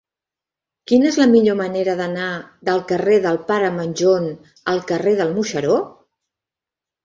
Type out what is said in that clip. Quina és la millor manera d'anar del carrer del Pare Manjón al carrer del Moixeró?